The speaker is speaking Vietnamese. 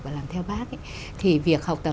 và làm theo bác thì việc học tập